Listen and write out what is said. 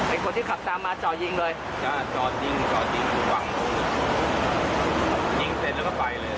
ไอ้คนที่ขับตามมาจอดยิงเลยจอดยิงจอดยิงจอดยิงเสร็จแล้วก็ไปเลย